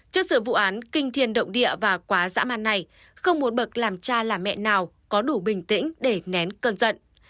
trước sự vụ án kinh thiê động địa và quá dã man này không muốn bậc làm cha làm mẹ nào có đủ bình tĩnh để nén cơn giận